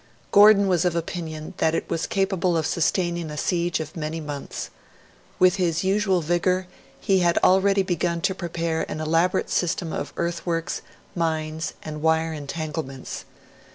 Gordon was of opinion that it was capable of sustaining a siege of many months. With his usual vigour, he had already begun to prepare an elaborate system of earthworks, mines, and wire entanglements.